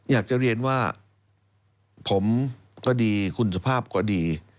อยากจะเรียนว่าผมก็ดีคุณสุภาพก็ดี